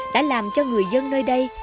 đã làm cho người dân nơi đây